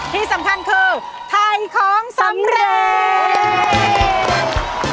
ที่สำคัญคือไทยของสำเรน